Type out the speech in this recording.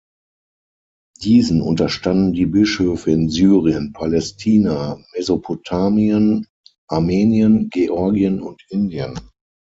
Diesen unterstanden die Bischöfe in Syrien, Palästina, Mesopotamien, Armenien, Georgien und Indien.